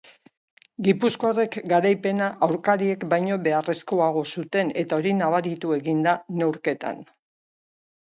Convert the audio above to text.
Gipuzkoarrek garaipena aurkariek baino beharrezkoago zuten eta hori nabaritu egin da neurketan.